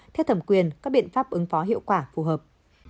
theo thẩm quyền các biện pháp ứng phó hiệu quả phù hợp